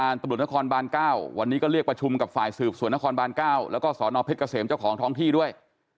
เรียกประชุมกับฝ่ายสืบส่วนนครบาน๙แล้วก็สนเพชรเกษมเจ้าของท้องที่ด้วย